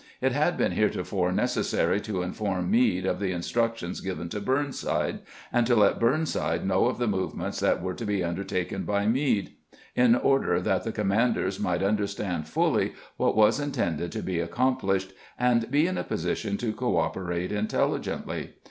It had been heretofore necessary to inform Meade of the instructions given to Burnside, and to let Burnside know of the movements that were to be under taken by Meade, in order that the commanders might understand fully what was intended to be accomplished, and be in a position to cooperate intelligently.